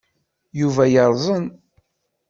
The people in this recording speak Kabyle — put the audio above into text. Yuba yerẓen.